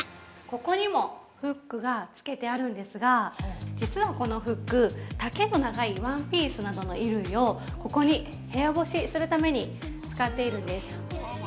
◆ここにもフックが付けてあるんですが、実は、このフック、丈の長いワンピースなどの衣類をここに部屋干しするために使っているんです。